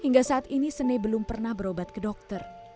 hingga saat ini sene belum pernah berobat ke dokter